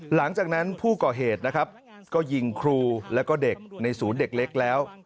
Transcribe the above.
หลังจากนั้นผู้ก่อเหตุนะครับก็ยิงครูแล้วก็เด็กในศูนย์เด็กเล็กแล้ว